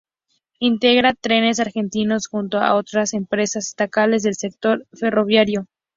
Integra Trenes Argentinos junto a otras empresas estatales del sector ferroviario.